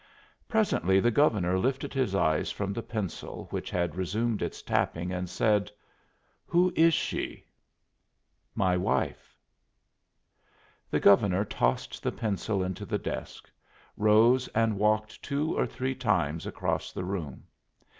Presently the Governor lifted his eyes from the pencil, which had resumed its tapping, and said: "Who is she?" "My wife." The Governor tossed the pencil into the desk, rose and walked two or three times across the room.